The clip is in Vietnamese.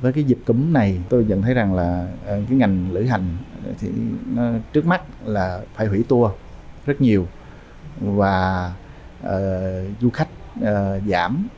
với dịch cúm này tôi nhận thấy rằng ngành lữ hành trước mắt phải hủy tour rất nhiều và du khách giảm